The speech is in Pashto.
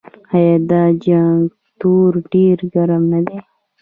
آیا دا جاکټونه ډیر ګرم نه دي؟